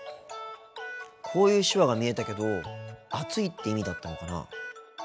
こういう手話が見えたけど暑いって意味だったのかな。